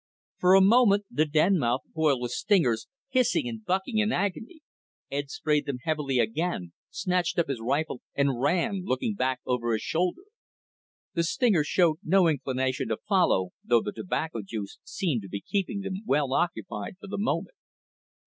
For a moment, the den mouth boiled with stingers, hissing and bucking in agony. Ed sprayed them heavily again, snatched up his rifle, and ran, looking back over his shoulder. The stingers showed no inclination to follow, though, the tobacco juice seemed to be keeping them well occupied for the moment.